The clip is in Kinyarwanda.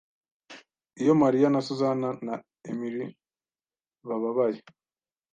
Iyo Mariya na Susan na Emily bababaye